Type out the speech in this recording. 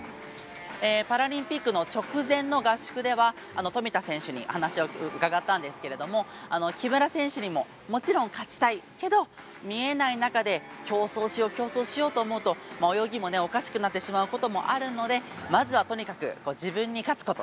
パラリンピックの直前の合宿では富田選手に話を伺ったんですけど木村選手にももちろん勝ちたいけど見えない中で競争しよう、競争しようと思うと泳ぎもおかしくなってしまうこともあるのでまずはとにかく自分に勝つこと